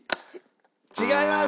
違います！